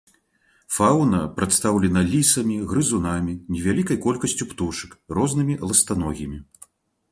Фаўна прадстаўлена лісамі, грызунамі, невялікай колькасцю птушак, рознымі ластаногімі.